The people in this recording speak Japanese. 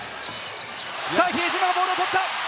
比江島がボールを取った！